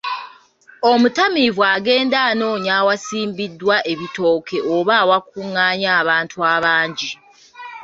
Omutamiivu agenda anoonya awasimbiddwa ebitooke oba awakunganye abantu abangi.